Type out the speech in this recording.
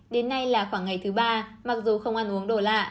đến nay là khoảng ngày thứ ba mặc dù không ăn uống đồ lạ